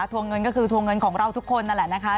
วงเงินก็คือทวงเงินของเราทุกคนนั่นแหละนะคะ